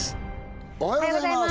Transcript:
おはようございます！